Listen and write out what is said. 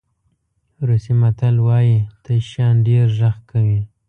روسي متل وایي تش شیان ډېر غږ کوي.